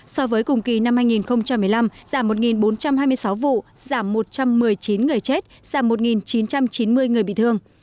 so với cùng kỳ năm hai nghìn một mươi năm giảm một bốn trăm hai mươi sáu vụ giảm một trăm một mươi chín người chết giảm một chín trăm chín mươi người bị thương